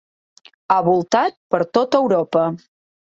Ha voltat per tot Europa.